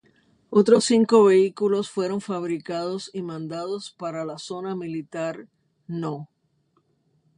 Otros cinco vehículos fueron fabricados y mandados para la Zona Militar No.